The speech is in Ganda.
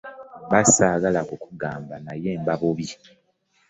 Mba ssaagala kukugamba naye mba bubi.